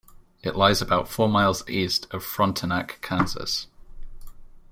It lies about four miles east of Frontenac, Kansas.